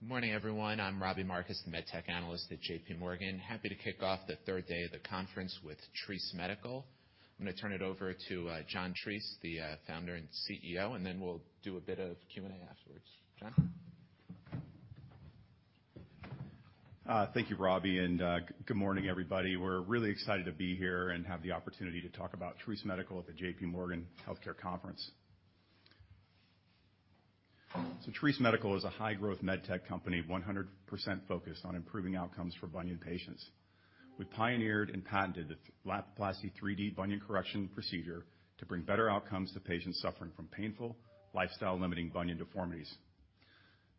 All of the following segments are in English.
Good morning, everyone. I'm Robbie Marcus, the MedTech Analyst at J.P. Morgan. Happy to kick off the third day of the conference with Treace Medical. I'm gonna turn it over to John Treace, the Founder and CEO, and then we'll do a bit of Q&A afterwards. John? Thank you, Robbie, and good morning, everybody. We're really excited to be here and have the opportunity to talk about Treace Medical at the J.P. Morgan Healthcare Conference. Treace Medical is a high-growth med tech company, 100% focused on improving outcomes for bunion patients. We pioneered and patented the Lapiplasty 3D Bunion Correction procedure to bring better outcomes to patients suffering from painful, lifestyle-limiting bunion deformities.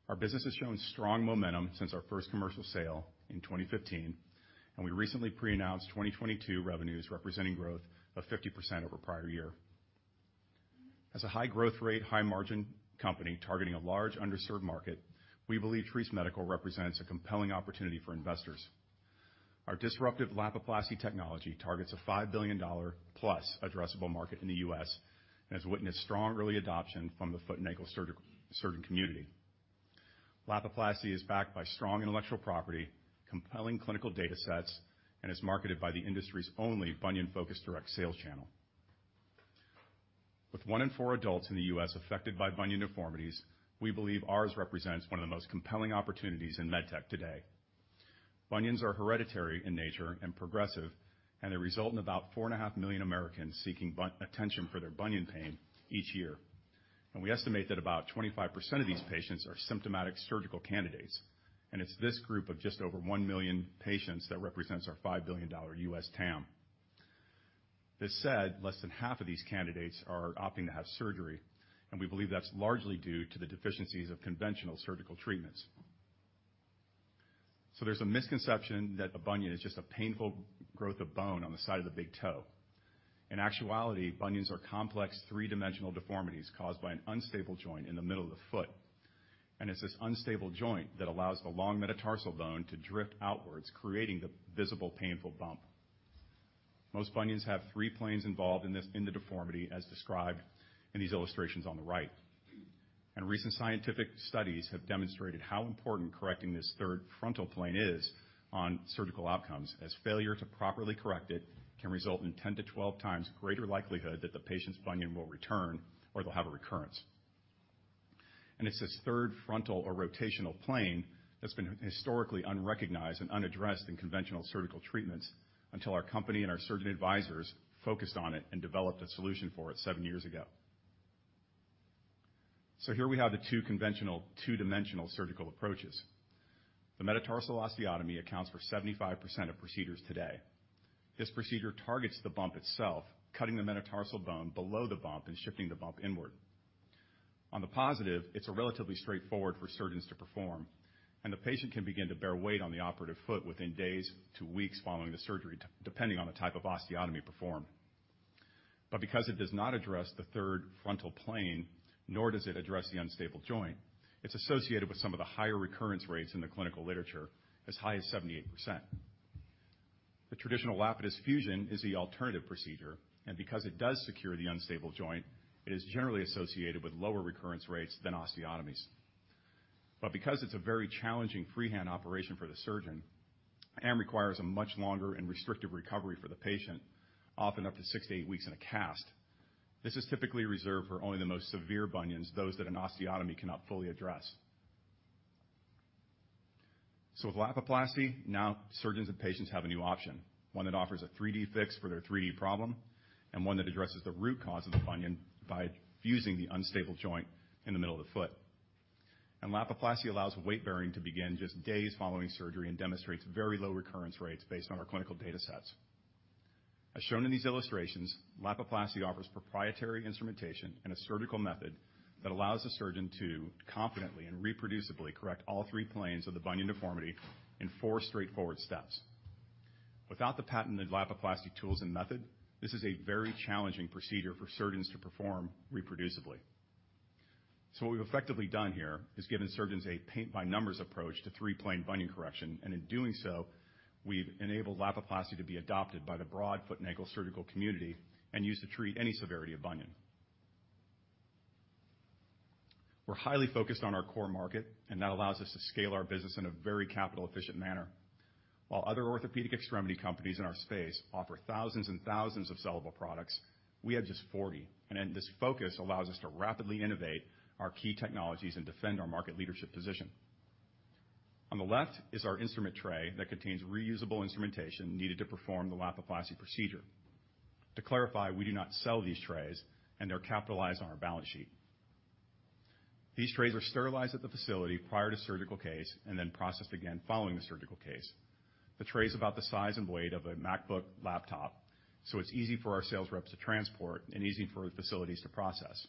Our business has shown strong momentum since our first commercial sale in 2015, and we recently pre-announced 2022 revenues representing growth of 50% over prior year. As a high growth rate, high margin company targeting a large underserved market, we believe Treace Medical represents a compelling opportunity for investors. Our disruptive Lapiplasty technology targets a $5 billion+ addressable market in the U.S. and has witnessed strong early adoption from the foot and ankle surgeon community. Lapiplasty is backed by strong intellectual property, compelling clinical data sets, and is marketed by the industry's only bunion-focused direct sales channel. With 1 in 4 adults in the U.S. affected by bunion deformities, we believe ours represents one of the most compelling opportunities in med tech today. Bunions are hereditary in nature and progressive, they result in about 4.5 million Americans seeking attention for their bunion pain each year. We estimate that about 25% of these patients are symptomatic surgical candidates, and it's this group of just over 1 million patients that represents our $5 billion U.S. TAM. This said, less than half of these candidates are opting to have surgery, and we believe that's largely due to the deficiencies of conventional surgical treatments. There's a misconception that a bunion is just a painful growth of bone on the side of the big toe. In actuality, bunions are complex 3D deformities caused by an unstable joint in the middle of the foot. It's this unstable joint that allows the long metatarsal bone to drift outwards, creating the visible painful bump. Most bunions have 3 planes involved in this, in the deformity, as described in these illustrations on the right. Recent scientific studies have demonstrated how important correcting this 3rd frontal plane is on surgical outcomes, as failure to properly correct it can result in 10 to 12 times greater likelihood that the patient's bunion will return or they'll have a recurrence. It's this third frontal or rotational plane that's been historically unrecognized and unaddressed in conventional surgical treatments until our company and our surgeon advisors focused on it and developed a solution for it seven years ago. Here we have the two conventional two-dimensional surgical approaches. The metatarsal osteotomy accounts for 75% of procedures today. This procedure targets the bump itself, cutting the metatarsal bone below the bump and shifting the bump inward. On the positive, it's a relatively straightforward for surgeons to perform, and the patient can begin to bear weight on the operative foot within days to weeks following the surgery, depending on the type of osteotomy performed. Because it does not address the third frontal plane, nor does it address the unstable joint, it's associated with some of the higher recurrence rates in the clinical literature, as high as 78%. The traditional Lapidus fusion is the alternative procedure, because it does secure the unstable joint, it is generally associated with lower recurrence rates than osteotomies. Because it's a very challenging freehand operation for the surgeon and requires a much longer and restrictive recovery for the patient, often up to 6-8 weeks in a cast, this is typically reserved for only the most severe bunions, those that an osteotomy cannot fully address. With Lapiplasty, now surgeons and patients have a new option, one that offers a 3D fix for their 3D problem and one that addresses the root cause of the bunion by fusing the unstable joint in the middle of the foot. Lapiplasty allows weight bearing to begin just days following surgery and demonstrates very low recurrence rates based on our clinical data sets. As shown in these illustrations, Lapiplasty offers proprietary instrumentation and a surgical method that allows the surgeon to confidently and reproducibly correct all 3 planes of the bunion deformity in 4 straightforward steps. Without the patented Lapiplasty tools and method, this is a very challenging procedure for surgeons to perform reproducibly. What we've effectively done here is given surgeons a paint by numbers approach to three-plane bunion correction, and in doing so, we've enabled Lapiplasty to be adopted by the broad foot and ankle surgical community and used to treat any severity of bunion. We're highly focused on our core market, and that allows us to scale our business in a very capital efficient manner. While other orthopedic extremity companies in our space offer thousands and thousands of sellable products, we have just 40. This focus allows us to rapidly innovate our key technologies and defend our market leadership position. On the left is our instrument tray that contains reusable instrumentation needed to perform the Lapiplasty procedure. To clarify, we do not sell these trays, and they're capitalized on our balance sheet. These trays are sterilized at the facility prior to surgical case and then processed again following the surgical case. The tray's about the size and weight of a MacBook laptop, so it's easy for our sales reps to transport and easy for facilities to process.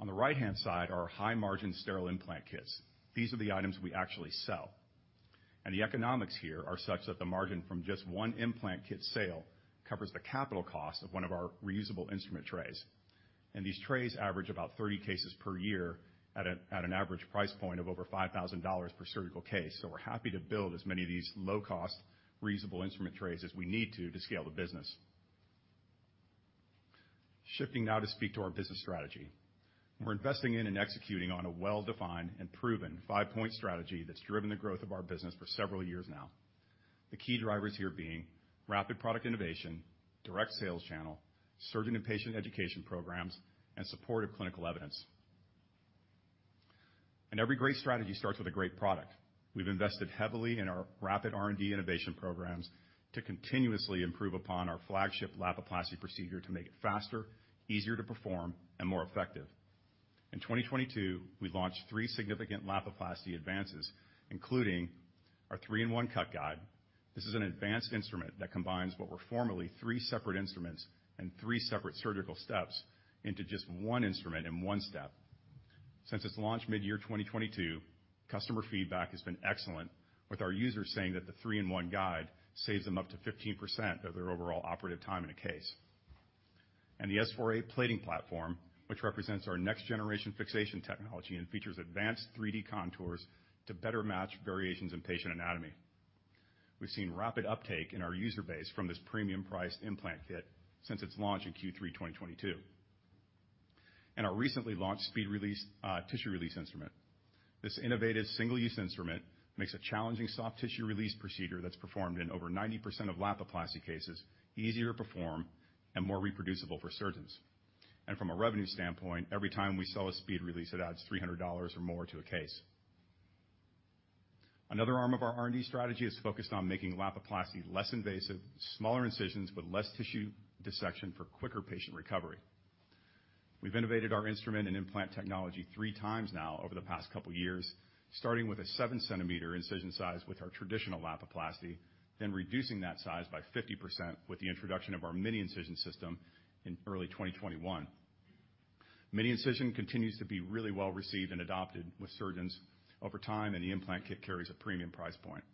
On the right-hand side are high-margin sterile implant kits. These are the items we actually sell. The economics here are such that the margin from just one implant kit sale covers the capital cost of one of our reusable instrument trays. These trays average about 30 cases per year at an average price point of over $5,000 per surgical case. We're happy to build as many of these low-cost reusable instrument trays as we need to to scale the business. Shifting now to speak to our business strategy. We're investing in and executing on a well-defined and proven 5-point strategy that's driven the growth of our business for several years now. The key drivers here being rapid product innovation, direct sales channel, surgeon and patient education programs, and supportive clinical evidence. Every great strategy starts with a great product. We've invested heavily in our rapid R&D innovation programs to continuously improve upon our flagship Lapiplasty Procedure to make it faster, easier to perform, and more effective. In 2022, we launched 3 significant Lapiplasty advances, including our 3-in-1 Cut Guide. This is an advanced instrument that combines what were formerly 3 separate instruments and 3 separate surgical steps into just 1 instrument in 1 step. Since its launch midyear 2022, customer feedback has been excellent, with our users saying that the Three-in-one guide saves them up to 15% of their overall operative time in a case. The S4A Plating Platform, which represents our next generation fixation technology and features advanced 3D contours to better match variations in patient anatomy. We've seen rapid uptake in our user base from this premium priced implant kit since its launch in Q3 2022. Our recently launched SpeedRelease tissue release instrument. This innovative single-use instrument makes a challenging soft tissue release procedure that's performed in over 90% of Lapiplasty cases easier to perform and more reproducible for surgeons. From a revenue standpoint, every time we sell a SpeedRelease, it adds $300 or more to a case. Another arm of our R&D strategy is focused on making Lapiplasty less invasive, smaller incisions with less tissue dissection for quicker patient recovery. We've innovated our instrument and implant technology three times now over the past couple years, starting with a 7 cm incision size with our traditional Lapiplasty, then reducing that size by 50% with the introduction of our Mini-Incision System in early 2021. Mini-Incision continues to be really well-received and adopted with surgeons over time, and the implant kit carries a premium price point.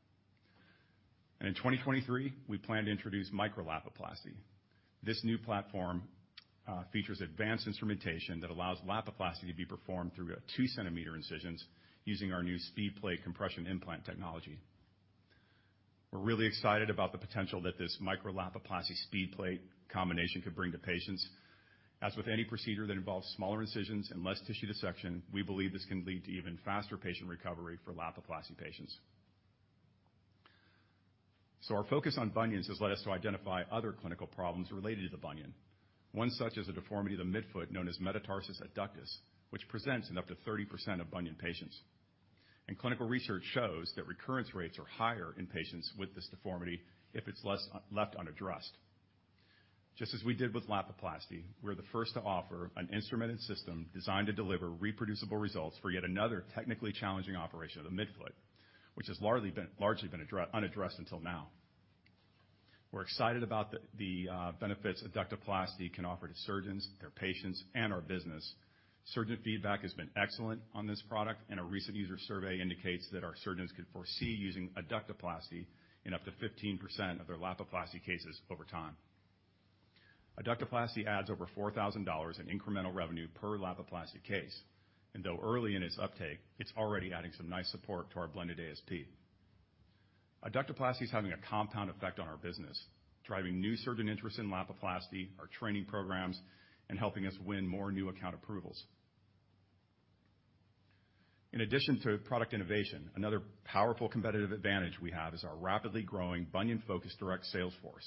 In 2023, we plan to introduce Micro-Lapiplasty. This new platform features advanced instrumentation that allows Lapiplasty to be performed through 2 cm incisions using our new SpeedPlate compression implant technology. We're really excited about the potential that this Micro-Lapiplasty SpeedPlate combination could bring to patients. As with any procedure that involves smaller incisions and less tissue dissection, we believe this can lead to even faster patient recovery for Lapiplasty patients. Our focus on bunions has led us to identify other clinical problems related to the bunion. One such is a deformity of the midfoot known as metatarsus adductus, which presents in up to 30% of bunion patients. Clinical research shows that recurrence rates are higher in patients with this deformity if it's left unaddressed. Just as we did with Lapiplasty, we're the first to offer an instrumented system designed to deliver reproducible results for yet another technically challenging operation of the midfoot, which has largely been unaddressed until now. We're excited about the benefits Adductoplasty can offer to surgeons, their patients, and our business. Surgeon feedback has been excellent on this product. A recent user survey indicates that our surgeons could foresee using Adductoplasty in up to 15% of their Lapiplasty cases over time. Adductoplasty adds over $4,000 in incremental revenue per Lapiplasty case, though early in its uptake, it's already adding some nice support to our blended ASP. Adductoplasty is having a compound effect on our business, driving new surgeon interest in Lapiplasty, our training programs, and helping us win more new account approvals. In addition to product innovation, another powerful competitive advantage we have is our rapidly growing bunion-focused direct sales force.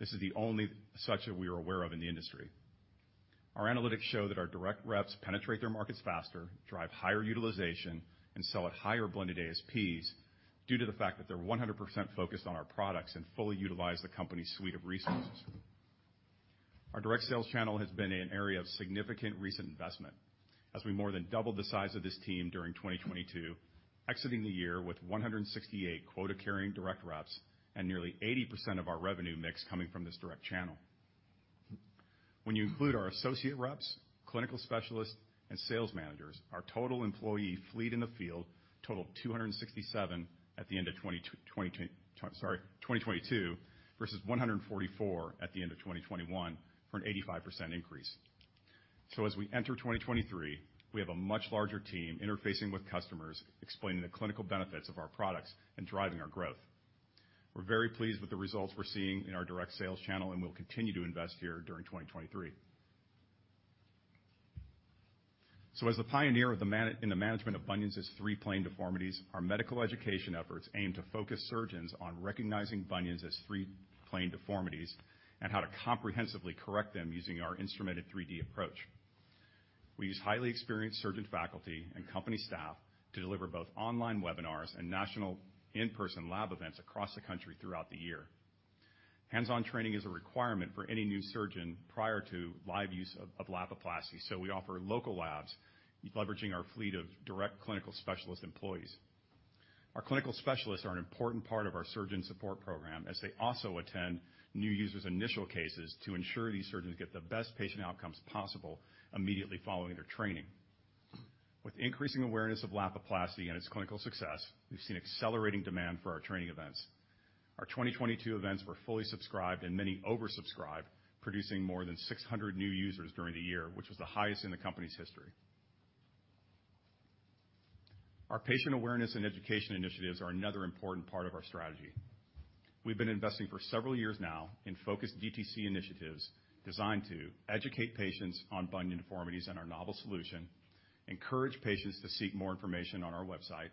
This is the only such that we are aware of in the industry. Our analytics show that our direct reps penetrate their markets faster, drive higher utilization, and sell at higher blended ASPs due to the fact that they're 100% focused on our products and fully utilize the company's suite of resources. Our direct sales channel has been an area of significant recent investment as we more than doubled the size of this team during 2022, exiting the year with 168 quota-carrying direct reps and nearly 80% of our revenue mix coming from this direct channel. When you include our associate reps, clinical specialists, and sales managers, our total employee fleet in the field totaled 267 at the end of sorry, 2022 versus 144 at the end of 2021 for an 85% increase. As we enter 2023, we have a much larger team interfacing with customers, explaining the clinical benefits of our products, and driving our growth. We're very pleased with the results we're seeing in our direct sales channel, and we'll continue to invest here during 2023. As a pioneer in the management of bunions as three-plane deformities, our medical education efforts aim to focus surgeons on recognizing bunions as three-plane deformities and how to comprehensively correct them using our instrumented 3D approach. We use highly experienced surgeon faculty and company staff to deliver both online webinars and national in-person lab events across the country throughout the year. Hands-on training is a requirement for any new surgeon prior to live use of Lapiplasty, so we offer local labs leveraging our fleet of direct clinical specialist employees. Our clinical specialists are an important part of our surgeon support program, as they also attend new users' initial cases to ensure these surgeons get the best patient outcomes possible immediately following their training. With increasing awareness of Lapiplasty and its clinical success, we've seen accelerating demand for our training events. Our 2022 events were fully subscribed and many oversubscribed, producing more than 600 new users during the year, which was the highest in the company's history. Our patient awareness and education initiatives are another important part of our strategy. We've been investing for several years now in focused DTC initiatives designed to educate patients on bunion deformities and our novel solution, encourage patients to seek more information on our website,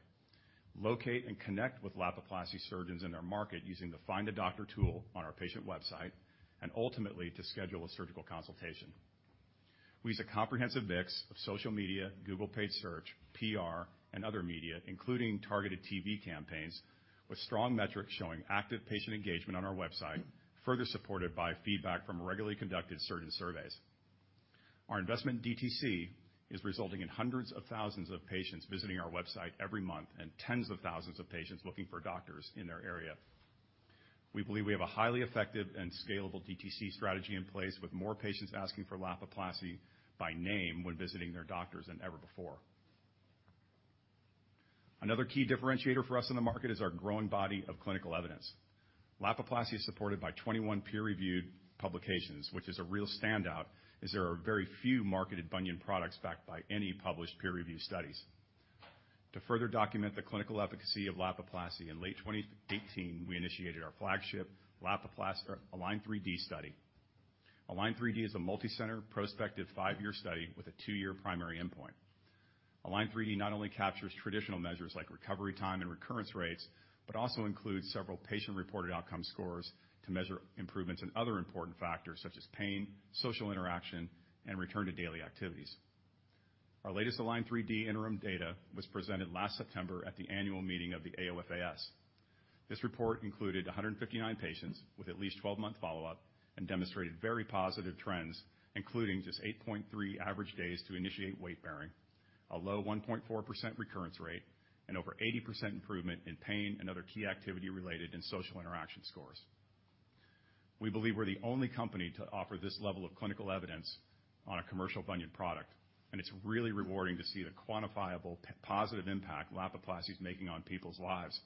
locate and connect with Lapiplasty surgeons in their market using the Find a Doctor tool on our patient website, and ultimately to schedule a surgical consultation. We use a comprehensive mix of social media, Google paid search, PR, and other media, including targeted TV campaigns with strong metrics showing active patient engagement on our website, further supported by feedback from regularly conducted surgeon surveys. Our investment in DTC is resulting in hundreds of thousands of patients visiting our website every month and tens of thousands of patients looking for doctors in their area. We believe we have a highly effective and scalable DTC strategy in place, with more patients asking for Lapiplasty by name when visiting their doctors than ever before. Another key differentiator for us in the market is our growing body of clinical evidence. Lapiplasty is supported by 21 peer-reviewed publications, which is a real standout, as there are very few marketed bunion products backed by any published peer review studies. To further document the clinical efficacy of Lapiplasty, in late 2018, we initiated our flagship ALIGN3D study. ALIGN3D is a multicenter prospective five-year study with a two-year primary endpoint. ALIGN3D not only captures traditional measures like recovery time and recurrence rates, but also includes several patient-reported outcome scores to measure improvements in other important factors such as pain, social interaction, and return to daily activities. Our latest ALIGN3D interim data was presented last September at the annual meeting of the AOFAS. This report included 159 patients with at least 12-month follow-up and demonstrated very positive trends, including just 8.3 average days to initiate weight bearing, a low 1.4% recurrence rate, and over 80% improvement in pain and other key activity related and social interaction scores. We believe we're the only company to offer this level of clinical evidence on a commercial bunion product, and it's really rewarding to see the quantifiable positive impact Lapiplasty's making on people's lives,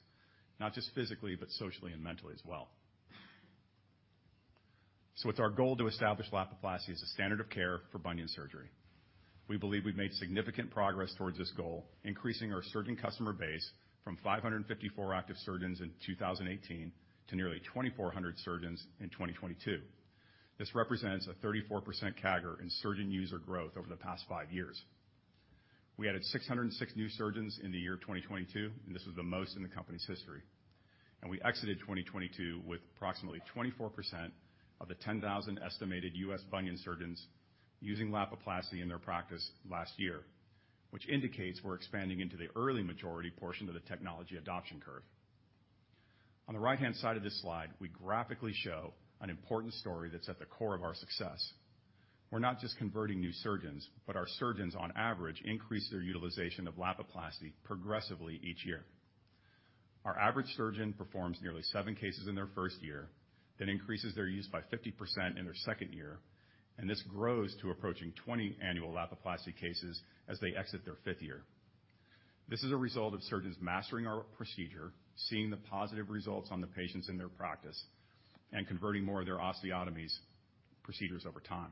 not just physically but socially and mentally as well. It's our goal to establish Lapiplasty as a standard of care for bunion surgery. We believe we've made significant progress towards this goal, increasing our surgeon customer base from 554 active surgeons in 2018 to nearly 2,400 surgeons in 2022. This represents a 34% CAGR in surgeon user growth over the past five years. We added 606 new surgeons in the year 2022, and this is the most in the company's history. We exited 2022 with approximately 24% of the 10,000 estimated U.S. bunion surgeons using Lapiplasty in their practice last year, which indicates we're expanding into the early majority portion of the technology adoption curve. On the right-hand side of this slide, we graphically show an important story that's at the core of our success. We're not just converting new surgeons, but our surgeons on average increase their utilization of Lapiplasty progressively each year. Our average surgeon performs nearly 7 cases in their first year, then increases their use by 50% in their second year, and this grows to approaching 20 annual Lapiplasty cases as they exit their fifth year. This is a result of surgeons mastering our procedure, seeing the positive results on the patients in their practice, and converting more of their osteotomies procedures over time.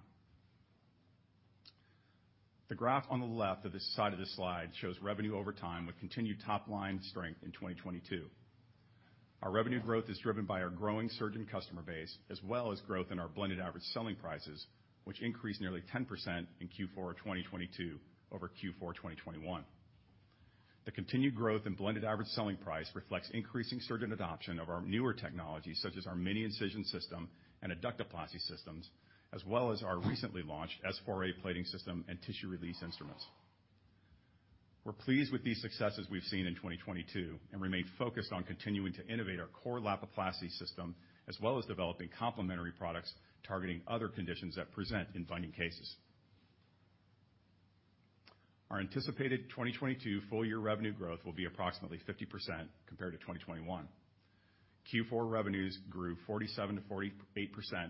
The graph on the left of the side of this slide shows revenue over time with continued top-line strength in 2022. Our revenue growth is driven by our growing surgeon customer base as well as growth in our blended average selling prices, which increased nearly 10% in Q4 2022 over Q4 2021. The continued growth in blended average selling price reflects increasing surgeon adoption of our newer technologies, such as our Lapiplasty Mini-Incision System and Adductoplasty systems, as well as our recently launched S4A plating system and tissue release instruments. We're pleased with these successes we've seen in 2022 and remain focused on continuing to innovate our core Lapiplasty system as well as developing complementary products targeting other conditions that present in bunion cases. Our anticipated 2022 full year revenue growth will be approximately 50% compared to 2021. Q4 revenues grew 47%-48%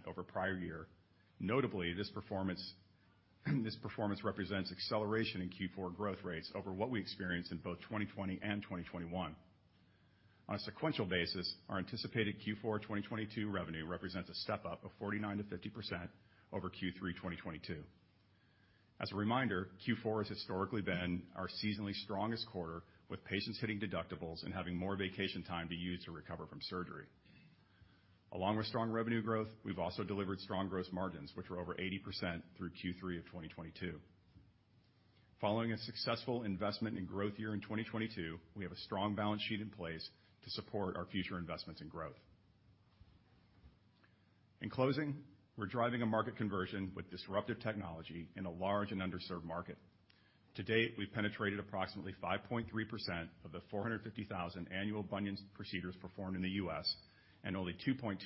over prior year. Notably, this performance represents acceleration in Q4 growth rates over what we experienced in both 2020 and 2021. On a sequential basis, our anticipated Q4 2022 revenue represents a step-up of 49%-50% over Q3 2022. As a reminder, Q4 has historically been our seasonally strongest quarter, with patients hitting deductibles and having more vacation time to use to recover from surgery. Along with strong revenue growth, we've also delivered strong gross margins, which were over 80% through Q3 of 2022. Following a successful investment in growth year in 2022, we have a strong balance sheet in place to support our future investments and growth. In closing, we're driving a market conversion with disruptive technology in a large and underserved market. To date, we've penetrated approximately 5.3% of the 450,000 annual bunions procedures performed in the U.S., and only 2.2%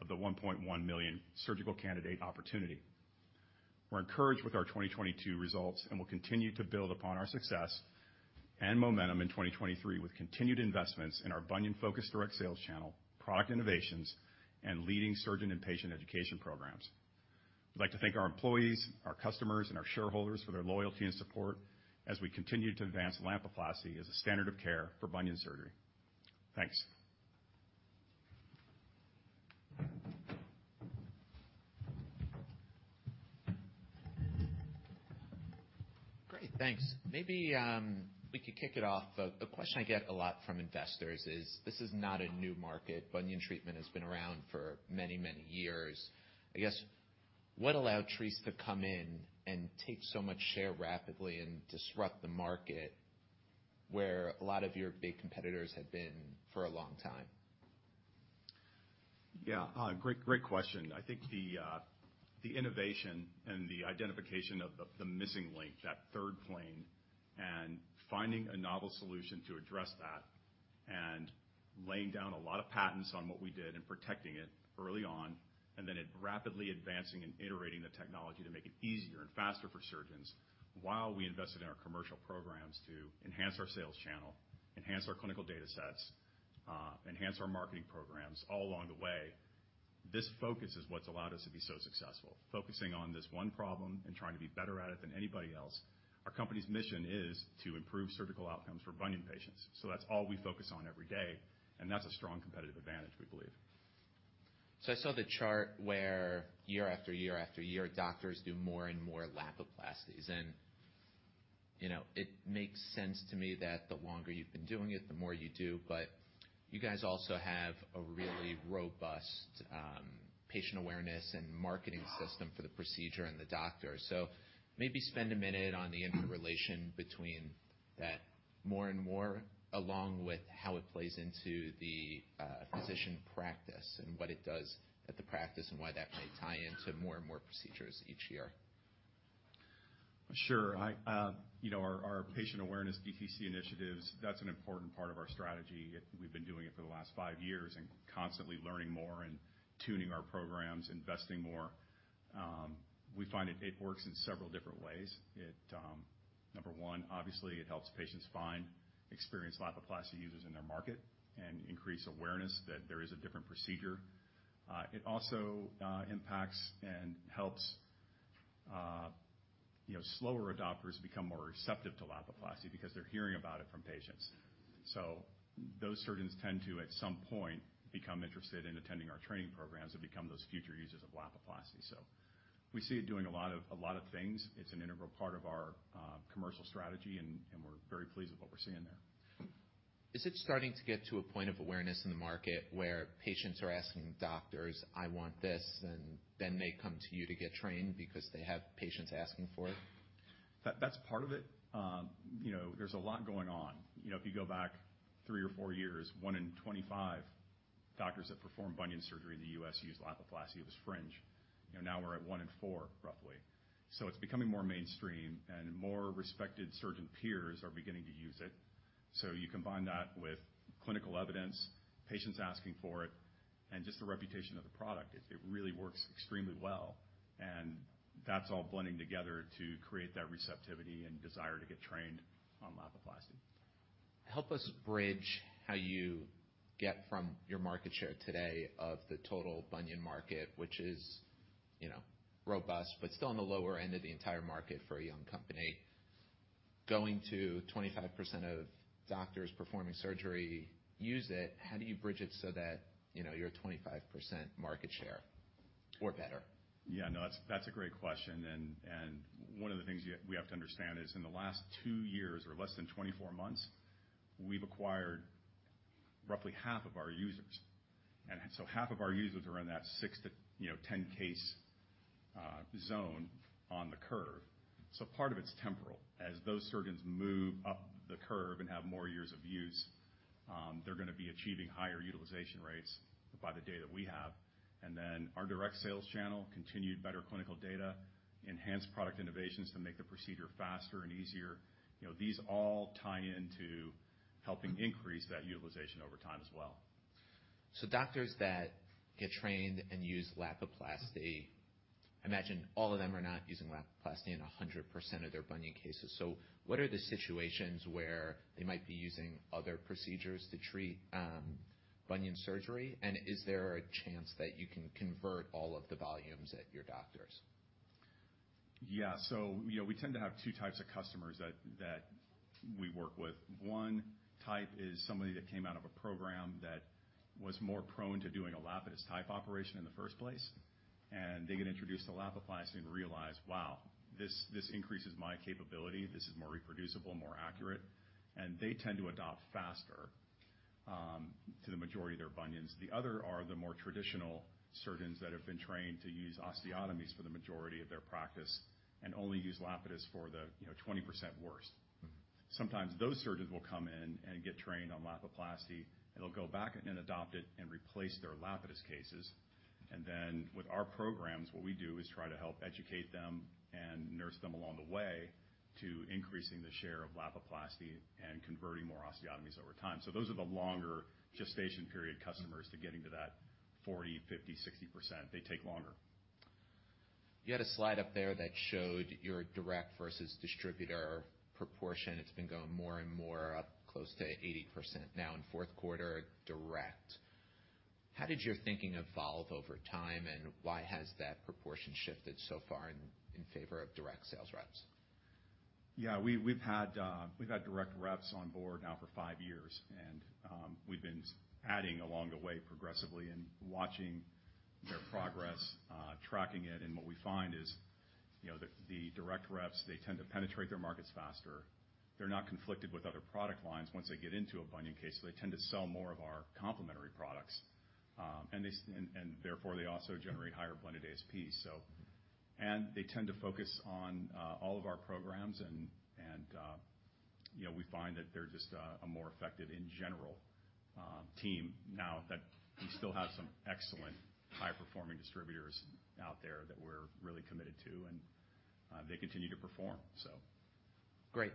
of the 1.1 million surgical candidate opportunity. We're encouraged with our 2022 results and will continue to build upon our success and momentum in 2023 with continued investments in our bunion-focused direct sales channel, product innovations, and leading surgeon and patient education programs. I'd like to thank our employees, our customers, and our shareholders for their loyalty and support as we continue to advance Lapiplasty as a standard of care for bunion surgery. Thanks. Great. Thanks. Maybe, we could kick it off. A question I get a lot from investors is, this is not a new market. Bunion treatment has been around for many, many years. I guess, what allowed Treace to come in and take so much share rapidly and disrupt the market where a lot of your big competitors had been for a long time? Great, great question. I think the innovation and the identification of the missing link, that third plane, finding a novel solution to address that, laying down a lot of patents on what we did and protecting it early on, then it rapidly advancing and iterating the technology to make it easier and faster for surgeons while we invested in our commercial programs to enhance our sales channel, enhance our clinical data sets, enhance our marketing programs all along the way, this focus is what's allowed us to be so successful. Focusing on this one problem and trying to be better at it than anybody else. Our company's mission is to improve surgical outcomes for bunion patients. That's all we focus on every day, and that's a strong competitive advantage, we believe. I saw the chart where year after year after year, doctors do more and more Lapiplasties. You know, it makes sense to me that the longer you've been doing it, the more you do, but you guys also have a really robust patient awareness and marketing system for the procedure and the doctor. Maybe spend a minute on the interrelation between that more and more along with how it plays into the physician practice and what it does at the practice, and why that might tie into more and more procedures each year. Sure. I, you know, our patient awareness DTC initiatives, that's an important part of our strategy. We've been doing it for the last five years and constantly learning more and tuning our programs, investing more. We find that it works in several different ways. It, number one, obviously it helps patients find experienced Lapiplasty users in their market and increase awareness that there is a different procedure. It also impacts and helps, you know, slower adopters become more receptive to Lapiplasty because they're hearing about it from patients. Those surgeons tend to, at some point, become interested in attending our training programs and become those future users of Lapiplasty. We see it doing a lot of things. It's an integral part of our commercial strategy, and we're very pleased with what we're seeing there. Is it starting to get to a point of awareness in the market where patients are asking doctors, "I want this," and then they come to you to get trained because they have patients asking for it? That's part of it. You know, there's a lot going on. You know, if you go back three or four years, 1 in 25 doctors that performed bunion surgery in the U.S. used Lapiplasty. It was fringe. You know, now we're at 1 in 4, roughly. It's becoming more mainstream and more respected surgeon peers are beginning to use it. You combine that with clinical evidence, patients asking for it, and just the reputation of the product, it really works extremely well, and that's all blending together to create that receptivity and desire to get trained on Lapiplasty. Help us bridge how you get from your market share today of the total bunion market, which is, you know, robust, but still on the lower end of the entire market for a young company, going to 25% of doctors performing surgery use it. How do you bridge it so that, you know, you're at 25% market share or better? Yeah, no, that's a great question, and one of the things we have to understand is in the last two years or less than 24 months, we've acquired roughly half of our users. Half of our users are in that 6 to, you know, 10 case, zone on the curve. Part of it's temporal. As those surgeons move up the curve and have more years of use, they're gonna be achieving higher utilization rates by the data we have. Our direct sales channel, continued better clinical data, enhanced product innovations to make the procedure faster and easier, you know, these all tie into helping increase that utilization over time as well. Doctors that get trained and use Lapiplasty, imagine all of them are not using Lapiplasty in 100% of their bunion cases. What are the situations where they might be using other procedures to treat bunion surgery? Is there a chance that you can convert all of the volumes at your doctors? You know, we tend to have two types of customers that we work with. One type is somebody that came out of a program that was more prone to doing a Lapidus type operation in the first place, and they get introduced to Lapiplasty and realize, "Wow, this increases my capability. This is more reproducible, more accurate." They tend to adopt faster to the majority of their bunions. The other are the more traditional surgeons that have been trained to use osteotomies for the majority of their practice and only use Lapidus for the, you know, 20% worst. Sometimes those surgeons will come in and get trained on Lapiplasty. They'll go back and adopt it and replace their Lapidus cases. With our programs, what we do is try to help educate them and nurse them along the way to increasing the share of Lapiplasty and converting more osteotomies over time. Those are the longer gestation period customers to getting to that 40%, 50%, 60%. They take longer. You had a slide up there that showed your direct versus distributor proportion. It's been going more and more up close to 80% now in fourth quarter direct. Why has that proportion shifted so far in favor of direct sales reps? Yeah, we've had direct reps on board now for five years. We've been adding along the way progressively and watching their progress, tracking it. What we find is, you know, the direct reps, they tend to penetrate their markets faster. They're not conflicted with other product lines once they get into a bunion case. They tend to sell more of our complementary products, and therefore they also generate higher blended ASPs. They tend to focus on all of our programs and, you know, we find that they're just a more effective in general team now that we still have some excellent high-performing distributors out there that we're really committed to. They continue to perform. Great.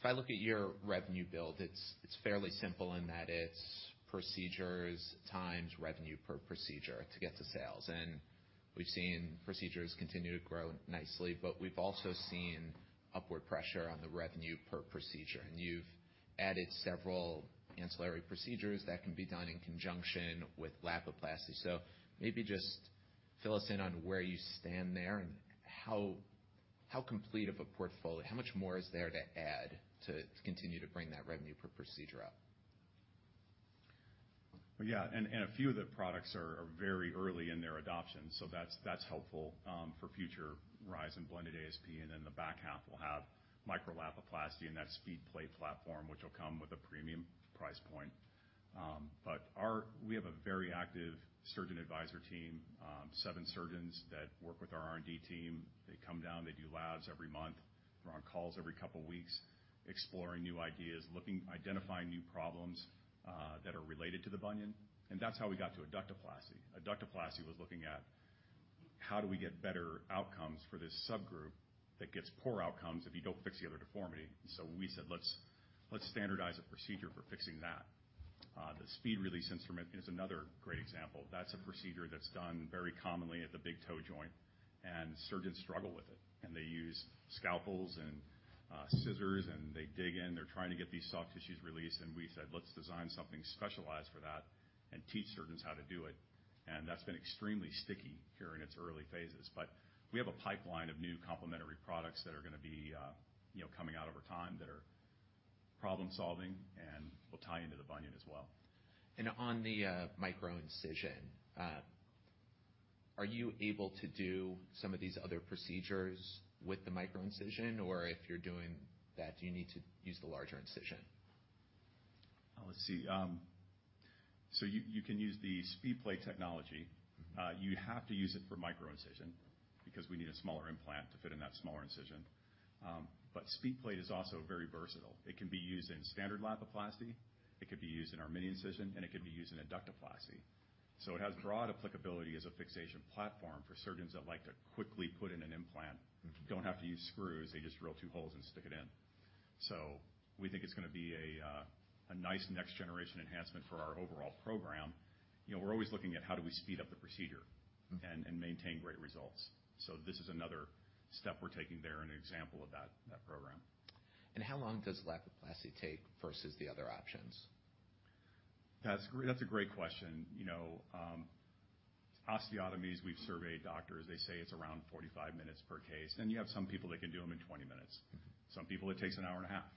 If I look at your revenue build, it's fairly simple in that it's procedures times revenue per procedure to get to sales. We've seen procedures continue to grow nicely, but we've also seen upward pressure on the revenue per procedure. You've added several ancillary procedures that can be done in conjunction with Lapiplasty. Maybe just fill us in on where you stand there and how complete of a portfolio, how much more is there to add to continue to bring that revenue per procedure up? Yeah, and a few of the products are very early in their adoption, so that's helpful for future rise in blended ASP. In the back half we'll have Micro-Lapiplasty and that SpeedPlate platform, which will come with a premium price point. We have a very active surgeon advisor team, seven surgeons that work with our R&D team. They come down, they do labs every month. We're on calls every couple weeks exploring new ideas, looking, identifying new problems that are related to the bunion, and that's how we got to Adductoplasty. Adductoplasty was looking at how do we get better outcomes for this subgroup that gets poor outcomes if you don't fix the other deformity. We said, "Let's standardize a procedure for fixing that." The SpeedRelease instrument is another great example. That's a procedure that's done very commonly at the big toe joint, and surgeons struggle with it. They use scalpels and scissors, and they dig in. They're trying to get these soft tissues released. We said, "Let's design something specialized for that and teach surgeons how to do it." That's been extremely sticky here in its early phases. We have a pipeline of new complementary products that are gonna be, you know, coming out over time, that are problem-solving and will tie into the bunion as well. On the microincision, are you able to do some of these other procedures with the microincision? Or if you're doing that, do you need to use the larger incision? Let's see. You can use the SpeedPlate technology. Mm-hmm. You have to use it for microincision because we need a smaller implant to fit in that smaller incision. SpeedPlate is also very versatile. It can be used in standard Lapiplasty, it could be used in our mini-incision, and it could be used in Adductoplasty. It has broad applicability as a fixation platform for surgeons that like to quickly put in an implant. Mm-hmm. Don't have to use screws. They just drill two holes and stick it in. We think it's gonna be a nice next generation enhancement for our overall program. You know, we're always looking at how do we speed up the procedure. Mm-hmm. And maintain great results. This is another step we're taking there and an example of that program. How long does Lapiplasty take versus the other options? That's great. That's a great question. You know, osteotomies, we've surveyed doctors. They say it's around 45 minutes per case. You have some people that can do them in 20 minutes. Mm-hmm. Some people, it takes an hour and a half.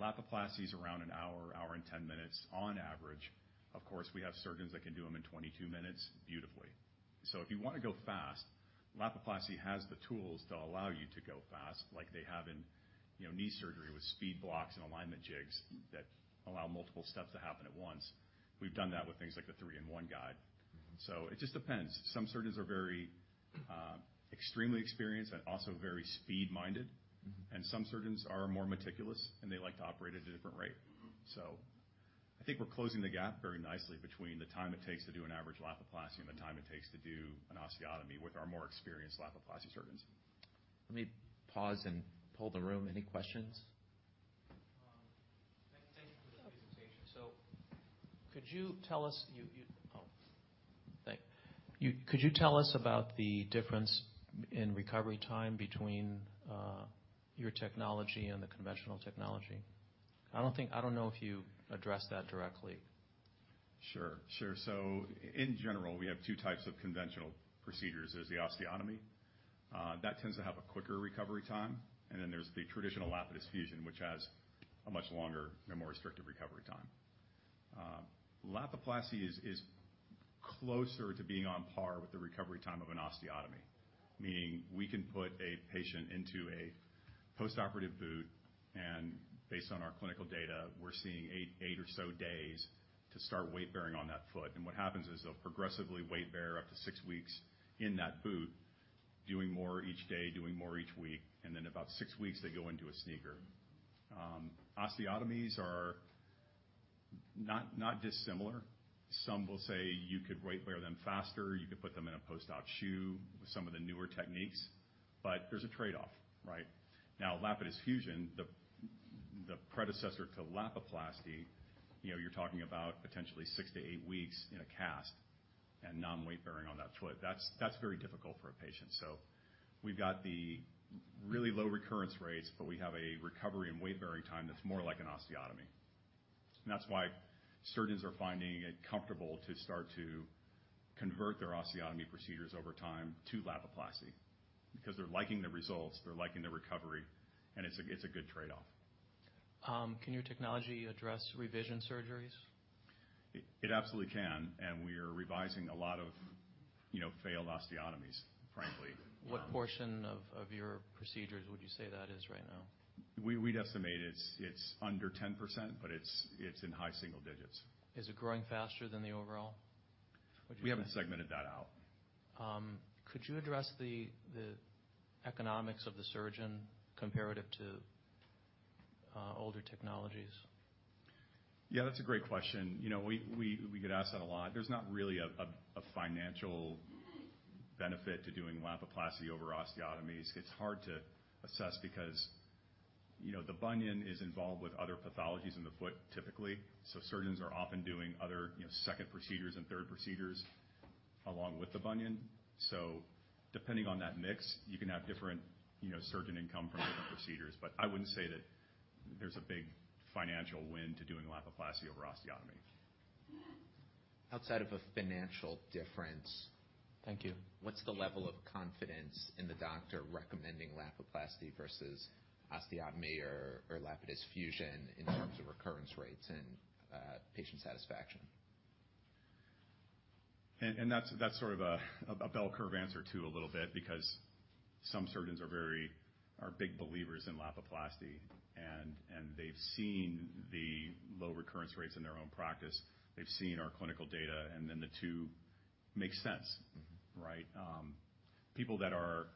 Lapiplasty's around an hour, 1 hour and 10 minutes on average. Of course, we have surgeons that can do them in 22 minutes beautifully. If you wanna go fast, Lapiplasty has the tools to allow you to go fast, like they have in, you know, knee surgery with speed blocks and alignment jigs that allow multiple steps to happen at once. We've done that with things like the three-in-one guide. Mm-hmm. It just depends. Some surgeons are very extremely experienced and also very speed minded. Mm-hmm. Some surgeons are more meticulous, and they like to operate at a different rate. Mm-hmm. I think we're closing the gap very nicely between the time it takes to do an average Lapiplasty and the time it takes to do an osteotomy with our more experienced Lapiplasty surgeons. Let me pause and poll the room. Any questions? Thank you for the presentation. Thanks. Could you tell us about the difference in recovery time between your technology and the conventional technology? I don't know if you addressed that directly. Sure. Sure. In general, we have two types of conventional procedures. There's the osteotomy, that tends to have a quicker recovery time, and then there's the traditional Lapidus fusion, which has a much longer and more restrictive recovery time. Lapiplasty is closer to being on par with the recovery time of an osteotomy, meaning we can put a patient into a postoperative boot, and based on our clinical data, we're seeing eight or so days to start weight bearing on that foot. And what happens is they'll progressively weight bear up to six weeks in that boot, doing more each day, doing more each week, and then about six weeks, they go into a sneaker. Osteotomies are not dissimilar. Some will say you could weight bear them faster. You could put them in a post-op shoe with some of the newer techniques. There's a trade-off, right? Now, Lapidus fusion, the predecessor to Lapiplasty, you know, you're talking about potentially six to eight weeks in a cast and non-weight bearing on that foot. That's very difficult for a patient. We've got the really low recurrence rates, but we have a recovery and weight bearing time that's more like an osteotomy. That's why surgeons are finding it comfortable to start to convert their osteotomy procedures over time to Lapiplasty because they're liking the results, they're liking the recovery, and it's a, it's a good trade-off. Can your technology address revision surgeries? It absolutely can. We are revising a lot of, you know, failed osteotomies, frankly. What portion of your procedures would you say that is right now? We'd estimate it's under 10%, but it's in high single digits. Is it growing faster than the overall? We haven't segmented that out. Could you address the economics of the surgeon comparative to older technologies? Yeah, that's a great question. You know, we get asked that a lot. There's not really a financial benefit to doing Lapiplasty over osteotomies. It's hard to assess because, you know, the bunion is involved with other pathologies in the foot typically. Surgeons are often doing other, you know, second procedures and third procedures along with the bunion. Depending on that mix, you can have different, you know, surgeon income from different procedures. I wouldn't say that there's a big financial win to doing Lapiplasty over osteotomy. Outside of a financial difference. Thank you. What's the level of confidence in the doctor recommending Lapiplasty versus osteotomy or Lapidus fusion in terms of recurrence rates and patient satisfaction? That's sort of a bell curve answer too a little bit because some surgeons are big believers in Lapiplasty. They've seen the low recurrence rates in their own practice. They've seen our clinical data, and then the two make sense. Mm-hmm. Right? people that are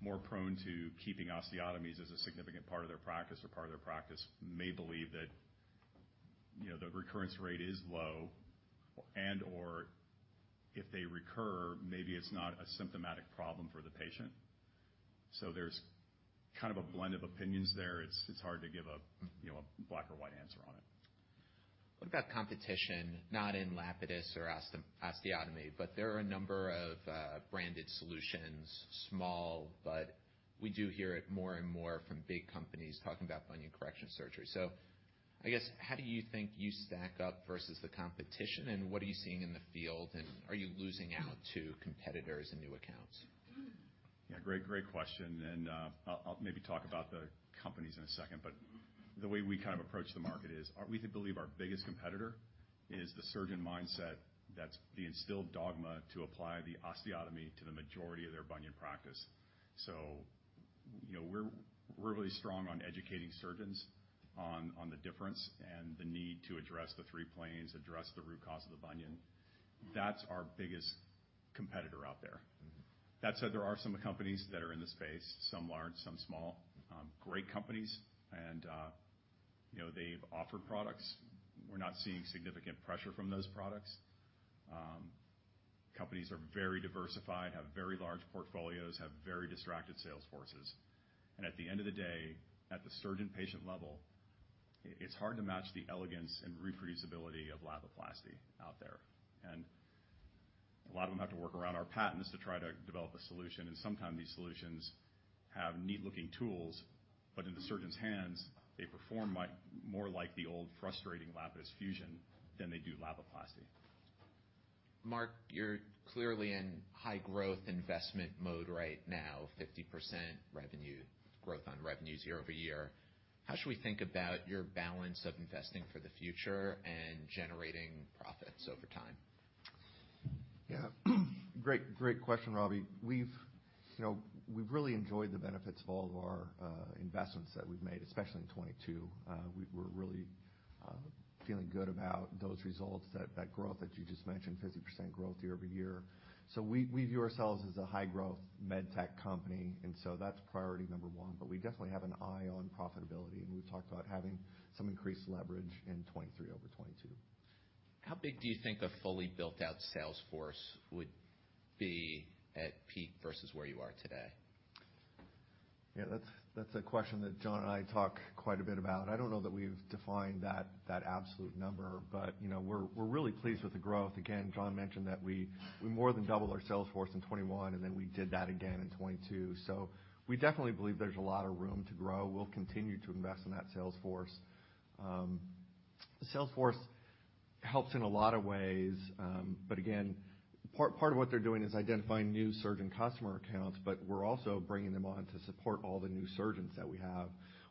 more prone to keeping osteotomies as a significant part of their practice or part of their practice may believe that, you know, the recurrence rate is low and/or if they recur, maybe it's not a symptomatic problem for the patient. There's kind of a blend of opinions there. It's, it's hard to give a, you know, a black or white answer on it. What about competition, not in Lapidus or osteotomy, but there are a number of branded solutions, small, but we do hear it more and more from big companies talking about bunion correction surgery. I guess, how do you think you stack up versus the competition, and what are you seeing in the field, and are you losing out to competitors and new accounts? Yeah. Great question, and I'll maybe talk about the companies in a second. The way we kind of approach the market is we believe our biggest competitor is the surgeon mindset that's the instilled dogma to apply the osteotomy to the majority of their bunion practice. You know, we're really strong on educating surgeons on the difference and the need to address the three planes, address the root cause of the bunion. That's our biggest competitor out there. Mm-hmm. That said, there are some companies that are in the space, some large, some small, great companies, you know, they've offered products. We're not seeing significant pressure from those products. Companies are very diversified, have very large portfolios, have very distracted sales forces. At the end of the day, at the surgeon-patient level, it's hard to match the elegance and reproducibility of Lapiplasty out there. A lot of them have to work around our patents to try to develop a solution. Sometimes these solutions have neat-looking tools, but in the surgeon's hands, they perform more like the old frustrating Lapidus fusion than they do Lapiplasty. Mark, you're clearly in high growth investment mode right now, 50% growth on revenues year-over-year. How should we think about your balance of investing for the future and generating profits over time? Yeah. Great, great question, Robbie. We've, you know, we've really enjoyed the benefits of all of our investments that we've made, especially in 2022. We're really feeling good about those results, that growth that you just mentioned, 50% growth year-over-year. We, we view ourselves as a high-growth MedTech company, and so that's priority number one. We definitely have an eye on profitability, and we've talked about having some increased leverage in 2023 over 2022. How big do you think a fully built-out sales force would be at peak versus where you are today? Yeah. That's a question that John and I talk quite a bit about. I don't know that we've defined that absolute number. You know, we're really pleased with the growth. Again, John mentioned that we more than doubled our sales force in 2021, we did that again in 2022. We definitely believe there's a lot of room to grow. We'll continue to invest in that sales force. Sales force helps in a lot of ways. Again, part of what they're doing is identifying new surgeon customer accounts, we're also bringing them on to support all the new surgeons that we have.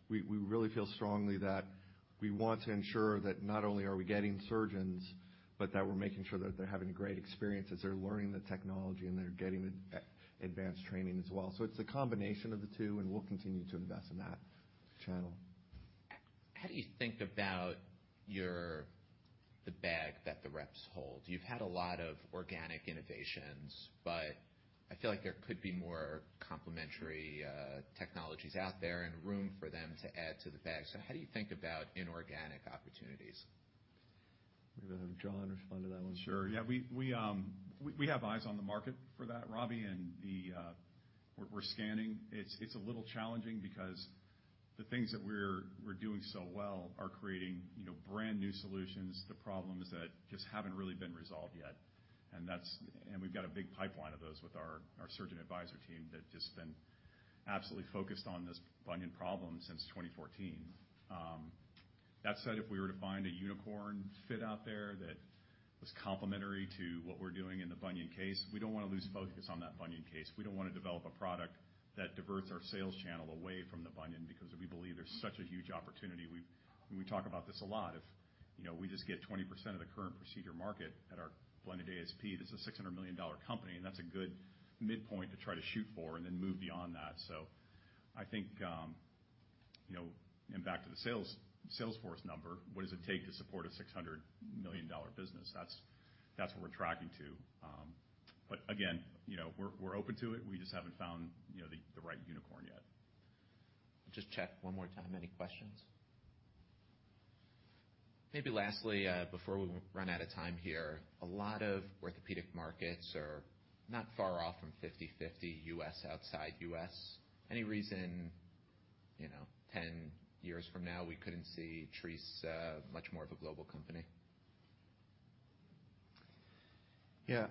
We really feel strongly that we want to ensure that not only are we getting surgeons, but that we're making sure that they're having a great experience as they're learning the technology, and they're getting advanced training as well. It's a combination of the two, and we'll continue to invest in that channel. How do you think about your the bag that the reps hold? You've had a lot of organic innovations, but I feel like there could be more complementary technologies out there and room for them to add to the bag. How do you think about inorganic opportunities? We'll have John respond to that one. Sure. Yeah. We have eyes on the market for that, Robbie, and the. We're scanning. It's a little challenging because the things that we're doing so well are creating, you know, brand-new solutions to problems that just haven't really been resolved yet. We've got a big pipeline of those with our surgeon advisory team that just been absolutely focused on this bunion problem since 2014. That said, if we were to find a unicorn fit out there that was complementary to what we're doing in the bunion case, we don't wanna lose focus on that bunion case. We don't wanna develop a product that diverts our sales channel away from the bunion because we believe there's such a huge opportunity. We talk about this a lot. If, you know, we just get 20% of the current procedure market at our blended ASP, this is a $600 million company, and that's a good midpoint to try to shoot for and then move beyond that. I think, you know, and back to the sales force number, what does it take to support a $600 million business? That's what we're tracking to. Again, you know, we're open to it. We just haven't found, you know, the right unicorn yet. Just check one more time. Any questions? Maybe lastly, before we run out of time here, a lot of orthopedic markets are not far off from 50/50 US, outside US. Any reason, you know, 10 years from now we couldn't see Treace much more of a global company? Yeah.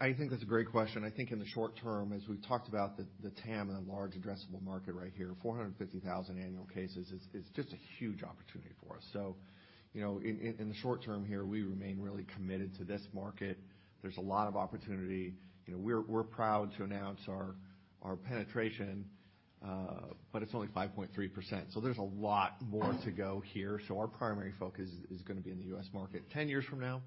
I think that's a great question. I think in the short term, as we've talked about the TAM and the large addressable market right here, 450,000 annual cases is just a huge opportunity for us. You know, in the short term here, we remain really committed to this market. There's a lot of opportunity. You know, we're proud to announce our penetration, but it's only 5.3%, so there's a lot more to go here. Our primary focus is gonna be in the U.S. market. 10 years from now?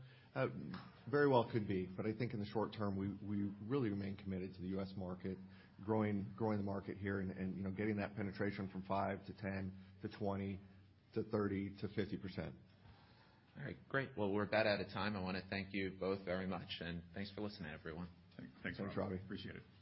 Very well could be, I think in the short term, we really remain committed to the U.S. market, growing the market here and, you know, getting that penetration from 5% to 10% to 20% to 30% to 50%. All right. Great. Well, we're about out of time. I wanna thank you both very much, and thanks for listening, everyone. Thanks. Thanks, Robbie. Appreciate it.